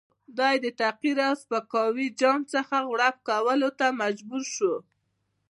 دی د تحقیر او سپکاوي جام څخه غوړپ کولو ته مجبور شو.